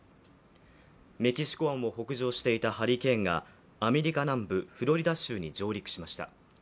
メキシコ湾を北上していたハリケーンがアメリカ南部フロリダ州に上陸しました。